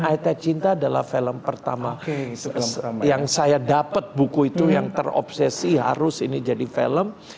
aita cinta adalah film pertama yang saya dapat buku itu yang terobsesi harus ini jadi film